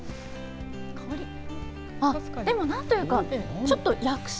でもなんというか、ちょっと薬草？